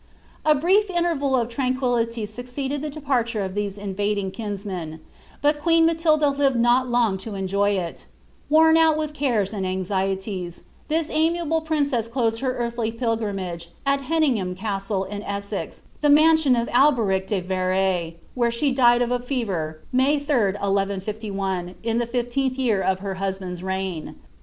A brief interval of tranquillity succeeded the departure of these in vading kinsmen; but queen Matilda lived not long to enjoy it Worn out witir cares and anxieties, this amiable princess closed her earthly pilgrimage at Heningham Castle in Essex, the mansion of Alberic de Vere, where she died of a fever, May 3d, 1151, in the fifteenth year of her husband's reign.